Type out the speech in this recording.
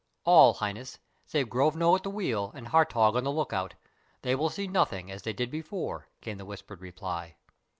"All, Highness, save Grovno at the wheel and Hartog on the look out. They will see nothing, as they did before," came the whispered reply.